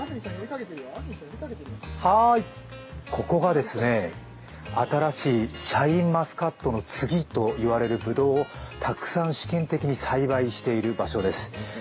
はーい、ここがですね、新しいシャインマスカットの次と言われるぶどうをたくさん試験的に栽培している場所です。